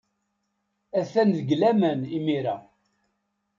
Atan deg laman imir-a.